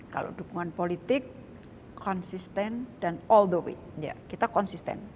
kalau dukungan politik konsisten dan all the week kita konsisten